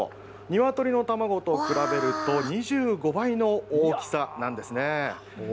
ニワトリの卵と比べると２５倍の大きさなんですね。